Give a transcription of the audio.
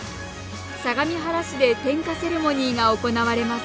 相模原市で点火セレモニーが行われます。